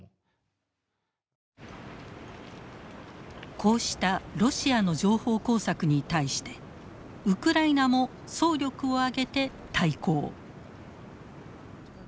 こうしたロシアの情報工作に対してウクライナも総力を挙げて対抗。